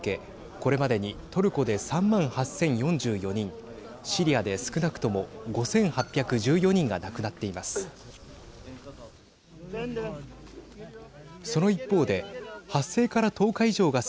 これまでにトルコで３万８０４４人シリアで少なくとも５８１４人が亡くなっています。